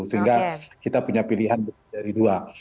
sehingga kita punya pilihan dari dua